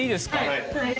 はい。